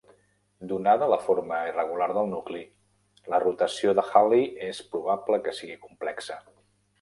Donada la forma irregular del nucli, la rotació de Halley és probable que sigui complexa.